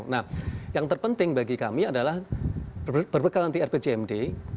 nah yang terpenting bagi kami adalah berbekal nanti rpjmd